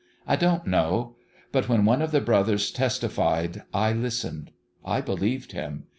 I don't know. ... But when one of the brothers testified I listened. I believed him.